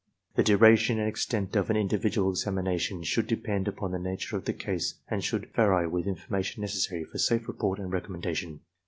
The duration and extent of an individual examination should depend upon the nature of the case and should vary with the information necessary for safe report and recommendation.